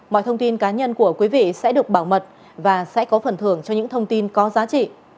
mọi thông tin cá nhân của quý vị sẽ được bảo mật và sẽ có phần thưởng cho những thông tin có giá trị